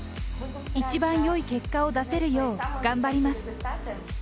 一番よい結果を出せるよう頑張ります。